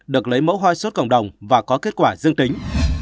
được lấy mẫu hoa sốt cộng đồng và có kết quả dương tính